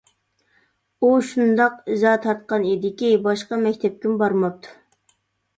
ئۇ شۇنداق ئىزا تارتقان ئىدىكى، باشقا مەكتەپكىمۇ بارماپتۇ.